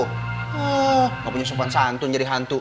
hah gak punya sopan santun jadi hantu